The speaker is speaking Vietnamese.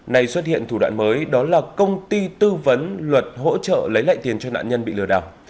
này xuất hiện thủ đoạn mới đó là công ty tư vấn luật hỗ trợ lấy lại tiền cho nạn nhân bị lừa đảo